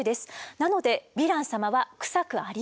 なのでヴィラン様はクサくありません。